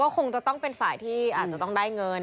คงจะต้องเป็นฝ่ายที่อาจจะต้องได้เงิน